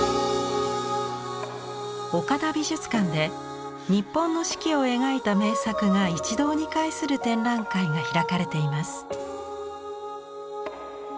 岡田美術館で日本の四季を描いた名作が一堂に会する展覧会が開かれています。